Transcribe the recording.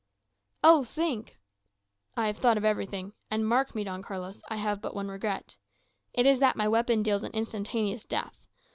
"Oh, think " "I have thought of everything. And mark me, Don Carlos, I have but one regret. It is that my weapon deals an instantaneous death.